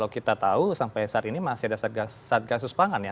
kita tahu sampai saat ini masih ada satgasus pangan ya